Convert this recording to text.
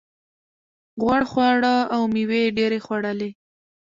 غوړ خواړه او مېوې یې ډېرې خوړلې.